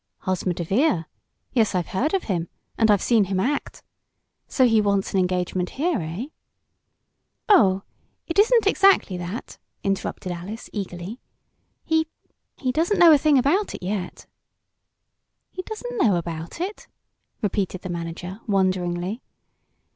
"Hosmer DeVere! Yes, I've heard of him, and I've seen him act. So he wants an engagement here; eh?" "Oh, it isn't exactly that!" interrupted Alice, eagerly. "He he doesn't know a thing about it yet." "He doesn't know about it?" repeated the manager, wonderingly.